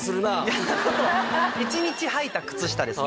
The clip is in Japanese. １日はいた靴下ですね